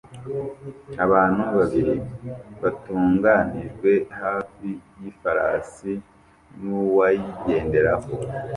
Abantu babiri batunganijwe hafi yifarasi nuwayigenderaho